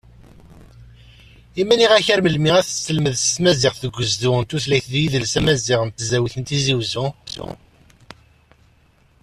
I ma nniɣ-k ar melmi aselmeds tmaziɣt deg ugezdu n tutlayt d yidles amaziɣ n tesdawit n Tizi Uzzu?